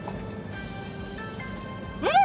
うん！